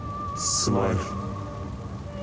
スマイル。